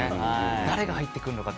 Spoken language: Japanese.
誰が入ってくるのかって。